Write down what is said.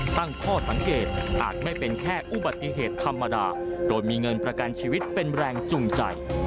ตั้งข้อสังเกตอาจไม่เป็นแค่อุบัติเหตุธรรมดาโดยมีเงินประกันชีวิตเป็นแรงจูงใจ